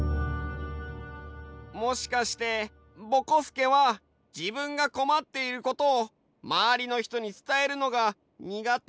もしかしてぼこすけはじぶんがこまっていることをまわりのひとに伝えるのがにがてなんじゃないかな？